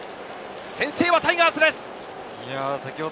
先制はタイガースです。